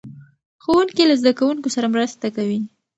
ښوونکي له زده کوونکو سره مرسته کوي.